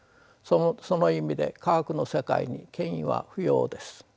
その意味で科学の世界に権威は不要です。